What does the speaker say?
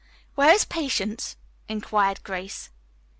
"Where is Patience?" inquired Grace.